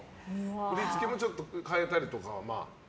振り付けもちょっと変えたりとか？